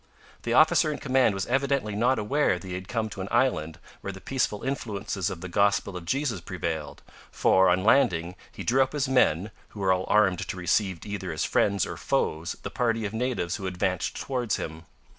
The officer in command was evidently not aware that he had come to an island where the peaceful influences of the gospel of Jesus prevailed, for, on landing, he drew up his men, who were all armed to receive either as friends or foes the party of natives who advanced towards him.